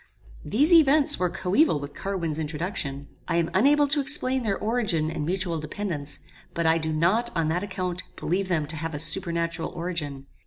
These events were coeval with Carwin's introduction. I am unable to explain their origin and mutual dependance; but I do not, on that account, believe them to have a supernatural origin.